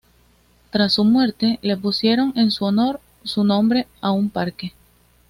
Tras su muerte, le pusieron en su honor su nombre a un parque.